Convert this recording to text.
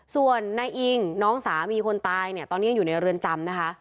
ส่วนนายอิงน้องสามีคนตายเนี่ยตอนนี้ยังอยู่ในเรือนจำนะคะ